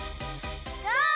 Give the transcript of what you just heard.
ゴー！